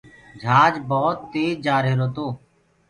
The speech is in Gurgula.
جھآج ڀوت تيج جآ رهيرو تو۔